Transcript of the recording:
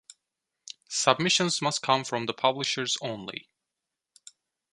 Submission must come from the publishers only.